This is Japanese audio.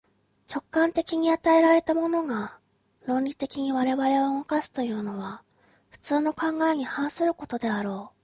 直観的に与えられたものが、論理的に我々を動かすというのは、普通の考えに反することであろう。